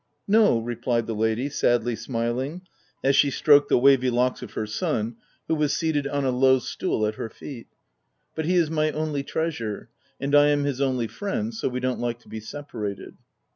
" No/' replied the lady, sadly smiling, as she stroked the wavy locks of her son, who was seated on a low stool at her feet, u but he is my only treasure ; and I am his only friend, so we don't like to be separated."